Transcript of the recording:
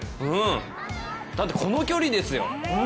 だってこの距離ですよ。